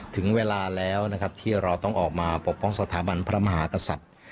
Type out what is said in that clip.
ถึงเวลาแล้วนะครับที่เราต้องออกมาปกป้องสถาบันพระมหากษัตริย์